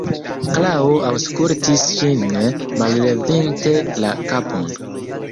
Klaro aŭskultis ŝin, mallevinte la kapon.